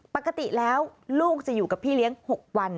ปกติแล้วลูกจะอยู่กับพี่เลี้ยง๖วัน